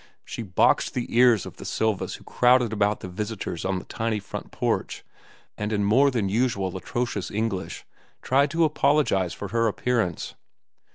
She boxed the ears of the Silvas who crowded about the visitors on the tiny front porch, and in more than usual atrocious English tried to apologize for her appearance.